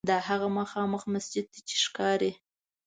دا هغه مخامخ مسجد دی چې ښکاري.